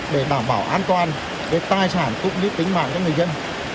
để bảo bảo an toàn để tài sản cũng như tính mạng cho người dân